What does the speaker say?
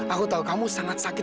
aku tahu kamu sangat sakit